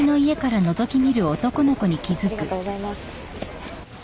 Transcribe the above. ありがとうございます。